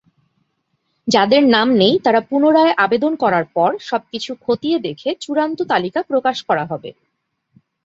যাদের নাম নেই তারা পুনরায় আবেদন করার পর সব কিছু খতিয়ে দেখে চূড়ান্ত তালিকা প্রকাশ করা হবে।